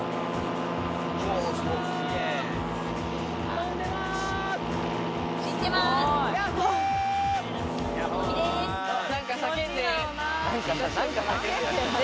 飛んでます！